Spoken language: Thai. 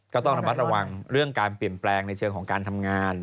ก็ต้องระมัดระวังเรื่องการเปลี่ยนแปลงในเชิงของการทำงาน